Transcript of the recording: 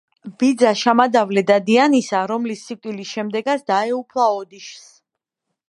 ბიძა შამადავლე დადიანისა, რომლის სიკვდილის შემდეგაც დაეუფლა ოდიშს.